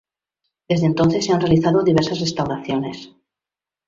Desde entonces se han realizado diversas restauraciones.